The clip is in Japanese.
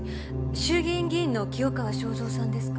衆議院議員の清川昭三さんですか？